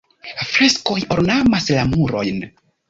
Freskoj ornamas la murojn.